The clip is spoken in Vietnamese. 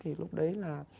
thì lúc đấy là